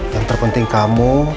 yang terpenting kamu